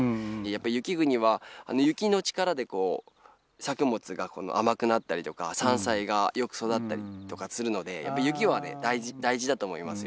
やっぱ雪国は雪の力で作物が甘くなったりとか山菜がよく育ったりとかするので雪はね大事だと思いますよ。